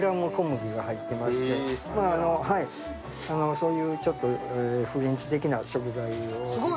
そういうちょっとフレンチ的な食材を。